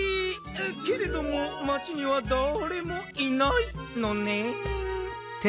けれども町にはだれもいないのねん。